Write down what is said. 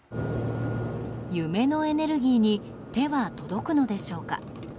夢のエネルギーに手は届くのでしょうか。